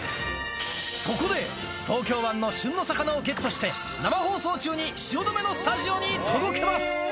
そこで、東京湾の旬の魚をゲットして、生放送中に汐留のスタジオに届けます。